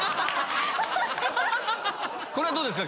これはどうですか？